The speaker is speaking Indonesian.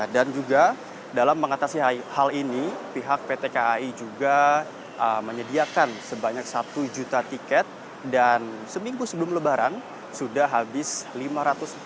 dan juga dalam mengatasi hal ini pihak pt kai juga menyediakan sebanyak satu juta tiket dan seminggu sebelum lebaran sudah habis lima ratus empat puluh ribu tiket